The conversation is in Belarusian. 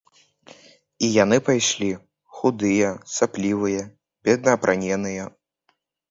І яны пайшлі, худыя, саплівыя, бедна апраненыя.